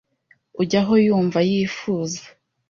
ujya aho yumva yifuza,